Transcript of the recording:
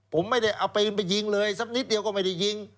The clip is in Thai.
ผมไม่ได้เอาปืนไปยิงเลยสักนิดเดียวก็ไม่ได้ยิง